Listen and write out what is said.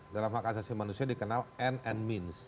dalam hak asasi manusia dikenal end and means